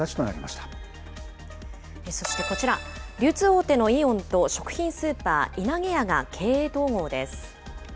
そしてこちら、流通大手のイオンと、食品スーパー、いなげやが経営統合です。